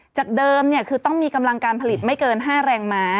จากเดิมคือต้องมีกำลังการผลิตไม่เกิน๕แรงม้า